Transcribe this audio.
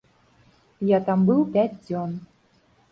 Я там быў пяць дзён.